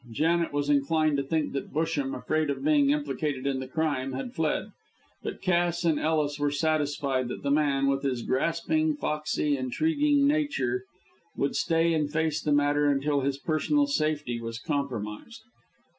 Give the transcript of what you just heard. Janet was inclined to think that Busham, afraid of being implicated in the crime, had fled; but Cass and Ellis were satisfied that the man, with his grasping, foxy, intriguing nature, would stay and face the matter until his personal safety was compromised.